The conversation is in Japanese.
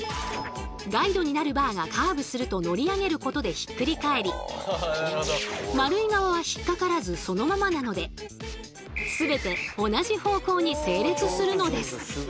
ガイドになるバーがカーブすると乗り上げることでひっくり返り丸い側は引っ掛からずそのままなのでそう！